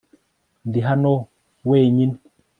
ndi hano wenyine